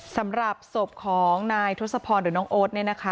สำหรับศพของนายทศพรหรือน้องโอ๊ตเนี่ยนะคะ